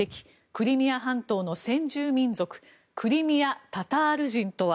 クリミア半島の先住民族クリミア・タタール人とは。